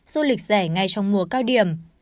du lịch rẻ ngay trong mùa cao điểm